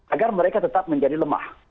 agar mereka tetap menjadi lemah